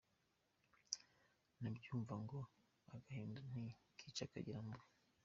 Ndabyumva ngo “agahinda nti kica kagira mubi”.